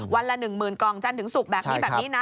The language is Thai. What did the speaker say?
วันละ๑๐๐๐กล่องจันทร์ถึงศุกร์แบบนี้แบบนี้นะ